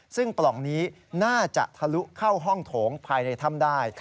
ซึ่งปล่องนี้น่าจะทะลุเข้าห้องโถงภายในถ้ำได้